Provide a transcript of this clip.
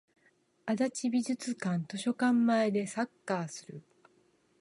足立美術館図書館前でサッカーする